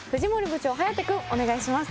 部長颯君お願いします